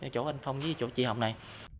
chỗ anh phong với chỗ chị hồng này